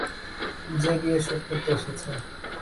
সে বিয়ে শোট করতে এসেছে।